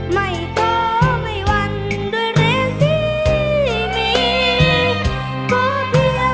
ไม่โตไม่วัน